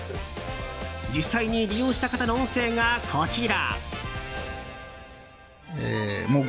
実際に利用した方の音声がこちら。